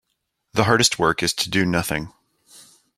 The hardest work is to do nothing.